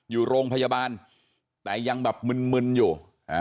อยู่โรงพยาบาลแต่ยังแบบมึนอยู่